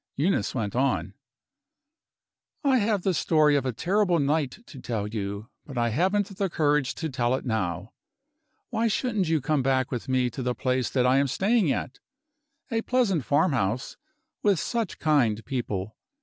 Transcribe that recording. Eunice went on: "I have the story of a terrible night to tell you; but I haven't the courage to tell it now. Why shouldn't you come back with me to the place that I am staying at? A pleasant farm house, and such kind people.